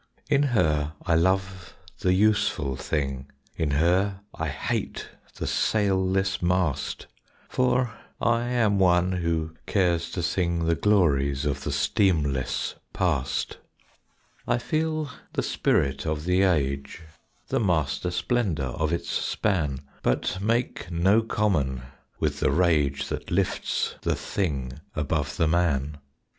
In her I love the useful thing In her I hate the sailless mast; For I am one who cares to sing The glories of the steamless past. I feel the spirit of the age The master splendor of its span But make no common with the rage That lifts the thing above the man.